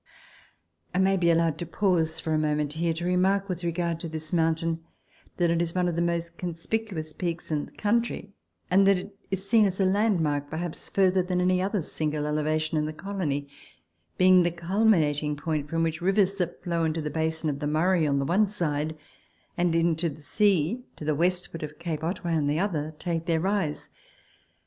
I may be allowed to pause for a moment here to remark with regard to this mountain, that it is one of the most conspicuous peaks in the country, and that it is seen as a landmark perhaps further than any other single elevation in the colony, being the culminating point from which rivers that flow into the basin of the Murray on the one side, and into the sea to the westward of Cape Otway on the other, take their rise.